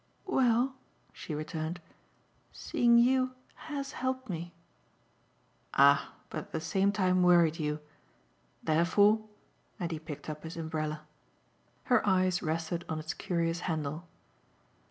"Well," she returned, "seeing you HAS helped me." "Ah but at the same time worried you. Therefore " And he picked up his umbrella. Her eyes rested on its curious handle.